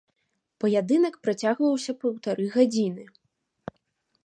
Паядынак працягваўся паўтары гадзіны.